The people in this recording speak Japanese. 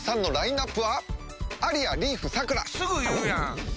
すぐ言うやん！